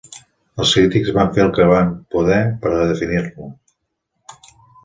Els crítics van fer el que van poder per a definir-lo.